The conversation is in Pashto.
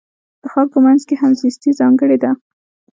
د خلکو منځ کې همزیستي ځانګړې ده.